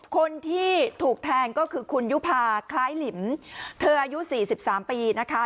คนที่ถูกแทงก็คือคุณยุภาคล้ายหลิมเธออายุ๔๓ปีนะคะ